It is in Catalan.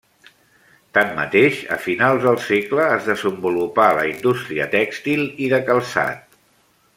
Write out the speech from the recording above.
Tanmateix, a finals del segle es desenvolupà la indústria tèxtil i de calçat.